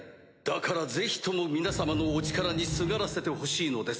だからぜひとも皆様のお力にすがらせてほしいのです。